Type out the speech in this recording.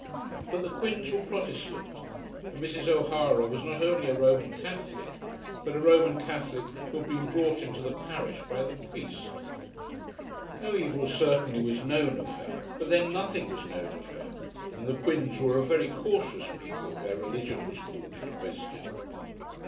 But the Quins were Protestant, and Mrs. O'Hara was not only a Roman Catholic, but a Roman Catholic who had been brought into the parish by the priest. No evil certainly was known of her, but then nothing was known of her; and the Quins were a very cautious people where religion was called in question.